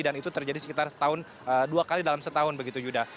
dan itu terjadi sekitar setahun dua kali dalam setahun begitu yuda